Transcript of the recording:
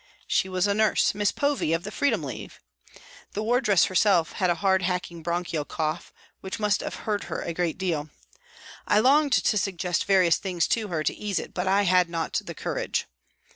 She was a nurse, Miss Povey, of the Freedom League. The wardress herself had a hard, hacking, bronchial cough, which must have hurt her a good deal. I longed to suggest various things to her to ease it, but I had not the courage.